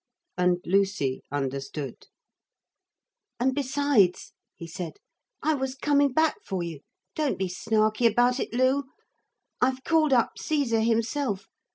And Lucy understood. 'And besides,' he said, 'I was coming back for you. Don't be snarky about it, Lu. I've called up Caesar himself.